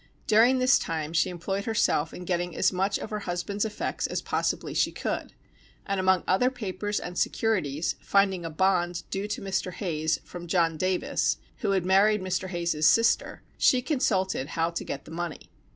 During this time she employed herself in getting as much of her husband's effects as possibly she could, and amongst other papers and securities, finding a bond due to Mr. Hayes from John Davis, who had married Mr. Hayes's sister, she consulted how to get the money.